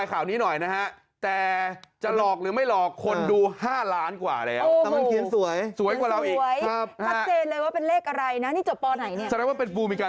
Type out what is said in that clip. ก็ต้องมีนักเทคนิคดัดภาพ